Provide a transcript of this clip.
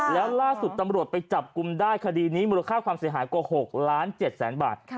แล้วล่าสุดตำรวจไปจับกลุ่มได้คดีนี้มูลค่าความเสียหายกว่า๖ล้าน๗แสนบาท